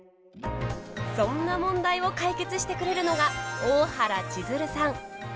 そんな問題を解決してくれるのが大原千鶴さん。